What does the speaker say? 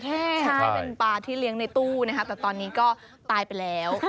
ใช่เป็นปลาที่เลี้ยงในตู้นะคะแต่ตอนนี้ก็ตายไปแล้ว